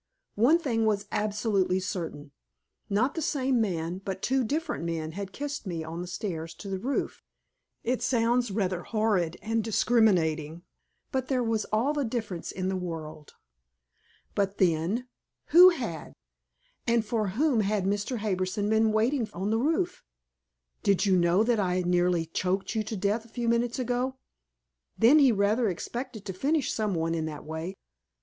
One thing was absolutely certain: not the same man, but two different men had kissed me on the stairs to the roof. It sounds rather horrid and discriminating, but there was all the difference in the world. But then who had? And for whom had Mr. Harbison been waiting on the roof? "Did you know that I nearly choked you to death a few minutes ago?" Then he rather expected to finish somebody in that way!